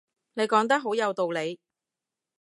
你講得好有道理